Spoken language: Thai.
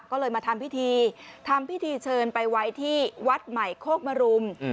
ก็เลยมาทำพิธีทำพิธีเชิญไปไว้ที่วัดใหม่โคกมรุม